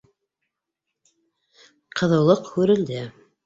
Ҡыҙыулыҡ һүрелде.